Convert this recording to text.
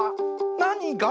なにが？